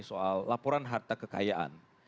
soal laporan harta kekayaan